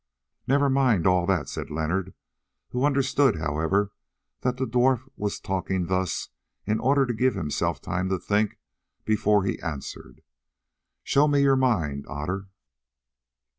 "Never mind all that," said Leonard, who understood however that the dwarf was talking thus in order to give himself time to think before he answered. "Show me your mind, Otter."